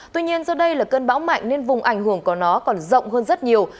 tuy nhiên do đây là cơn bão mạnh nên vùng ảnh hưởng của nó còn rộng hơn rất nhiều